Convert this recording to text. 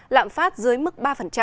lạm phát dưới mức ba